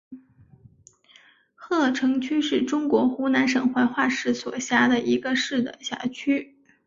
鹤城区是中国湖南省怀化市所辖的一个市辖区。